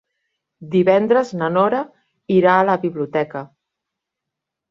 Divendres na Nora irà a la biblioteca.